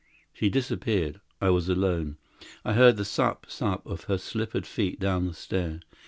She disappeared. I was alone. I heard the sup sup of her slippered feet down the stair.